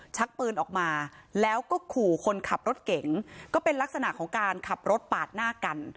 ชักปืนออกมาแล้วก็ขู่คนขับรถเก่งก็เป็นลักษณะของการขับรถปาดหน้ากัน